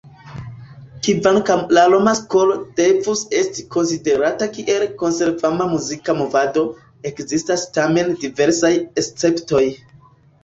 Kvankam la "Roma Skolo" devus esti konsiderata kiel konservema muzika movado, ekzistas tamen diversaj esceptoj.